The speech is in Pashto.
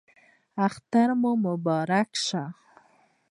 اختر مو مبارک شه